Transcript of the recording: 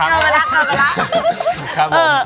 รักรัมะลัก